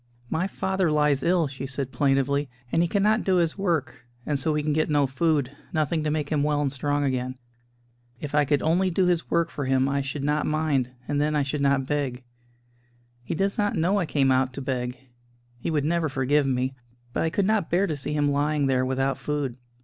"My father lies ill," she said plaintively, "and he cannot do his work, and so we can get no food: nothing to make him well and strong again. If I could only do his work for him I should not mind; and then I should not beg. He does not know I came out to beg he would never forgive me; but I could not bear to see him lying there without food."